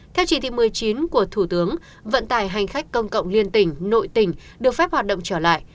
theo chỉ thị một mươi chín của thủ tướng vận tải hành khách công cộng liên tỉnh nội tỉnh được phép hoạt động trở lại